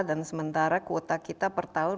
dan sementara kuota kita per tahun